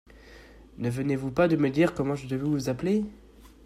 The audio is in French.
Ne venez-vous pas de me dire comment je devais vous appeler !